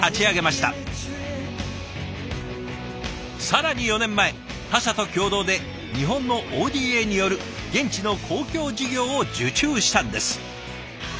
更に４年前他社と共同で日本のＯＤＡによる現地の公共事業を受注したんです。